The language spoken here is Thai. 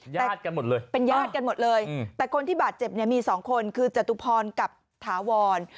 ญาติกันหมดเลยเป็นญาติกันหมดเลยแต่คนที่บาดเจ็บเนี่ยมีสองคนคือจตุพรกับถาวร